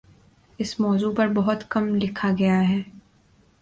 اس موضوع پر بہت کم لکھا گیا ہے